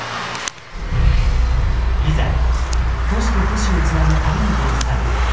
いざ都市と都市を繋ぐ旅に出るサム。